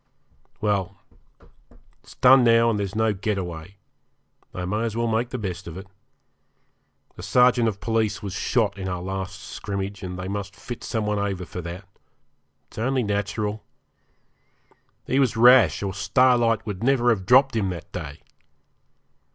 Well, it's done now, and there's no get away. I may as well make the best of it. A sergeant of police was shot in our last scrimmage, and they must fit some one over that. It's only natural. He was rash, or Starlight would never have dropped him that day.